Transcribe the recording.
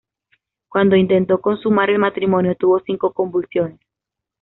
Cuando intentó consumar el matrimonio, tuvo cinco convulsiones.